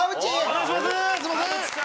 お願いします。